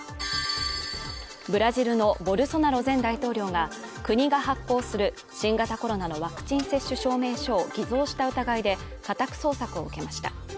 ブラジルのボルソナロ前大統領が国が発行する新型コロナのワクチン接種証明書を偽造した疑いで家宅捜索を受けました。